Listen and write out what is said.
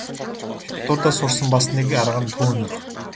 Хятадуудаас сурсан бас нэг арга нь төөнүүр.